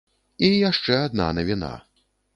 І яшчэ адна навіна!